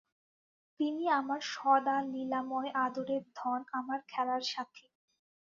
তিনি আমার সদালীলাময় আদরের ধন, আমি তাঁর খেলার সাথী।